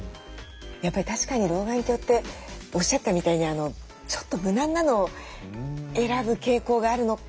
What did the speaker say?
やっぱり確かに老眼鏡っておっしゃったみたいにちょっと無難なのを選ぶ傾向があるのかもしれないですよね。